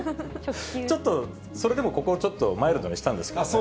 ちょっと、それでもここ、ちょっと、マイルドにしたんですけどね。